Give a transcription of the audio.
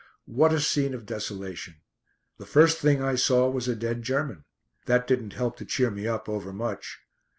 What a scene of desolation. The first thing I saw was a dead German. That didn't help to cheer me up overmuch.